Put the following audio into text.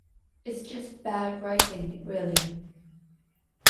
It's just bad writing, really.